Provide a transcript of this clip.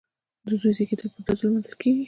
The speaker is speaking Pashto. د زوی زیږیدل په ډزو لمانځل کیږي.